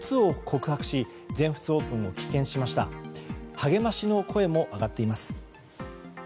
励ましの声も上がっています。